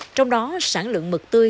trong đó sản lượng mực tươi